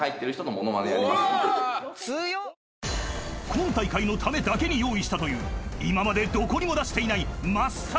［今大会のためだけに用意したという今までどこにも出していない真っさらな新作ものまね］